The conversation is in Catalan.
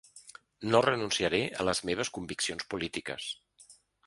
No renunciaré a les meves conviccions polítiques.